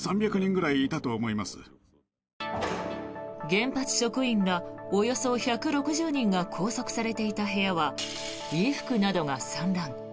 原発職員らおよそ１６０人が拘束されていた部屋は衣服などが散乱。